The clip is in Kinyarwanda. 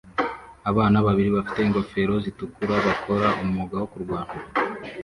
Abana babiri bafite ingofero zitukura bakora umwuga wo kurwana